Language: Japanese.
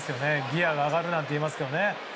ギアが上がるなんて言いますが。